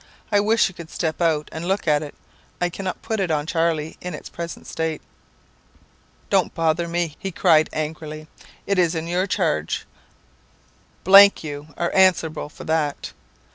I wish you would step out and look at it. I cannot put it on Charley in its present state.' "'Don't bother me, he cried angrily; 'it is in your charge, you are answerable for that.